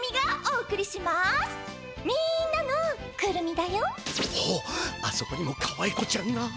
おおあそこにもかわいこちゃんが。